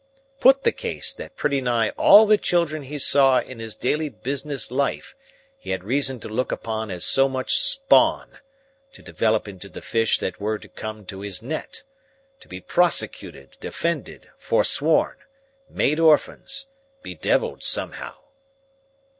Put the case that pretty nigh all the children he saw in his daily business life he had reason to look upon as so much spawn, to develop into the fish that were to come to his net,—to be prosecuted, defended, forsworn, made orphans, bedevilled somehow."